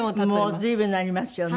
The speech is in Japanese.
もう随分になりますよね。